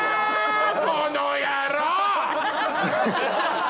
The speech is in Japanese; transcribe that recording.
この野郎！